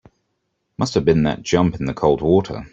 Must have been that jump in the cold water.